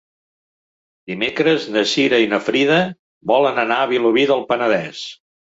Dimecres na Cira i na Frida volen anar a Vilobí del Penedès.